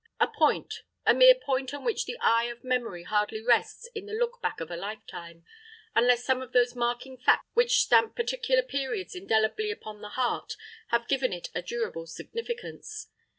A point a mere point on which the eye of memory hardly rests in the look back of a lifetime, unless some of those marking facts which stamp particular periods indelibly upon the heart have given it a durable significance.